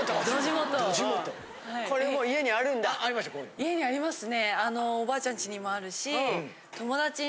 家にありますね。